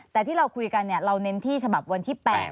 แต่ที่เราคุยกันเราเน้นที่ฉบับวันที่๘